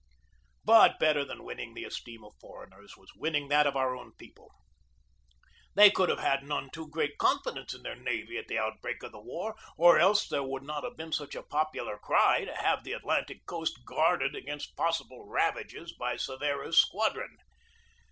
But better than winning the esteem of foreigners was winning that of our own people. They could have had none too great confidence in their navy at the outbreak of the war, or else there would not have been such a popular cry to have the Atlantic coast guarded against possible ravages by Cervera's squadron.